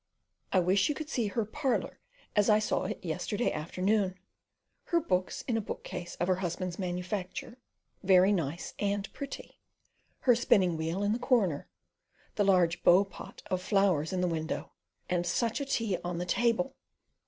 I wish you could see her parlour as I saw it yesterday afternoon her books in a bookcase of her husband's manufacture, very nice and pretty; her spinning wheel in the comer; the large "beau pot" of flowers in the window; and such a tea on the table!